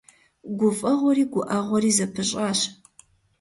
ГуфӀэгъуэри гуӀэгъуэри зэпыщӀащ.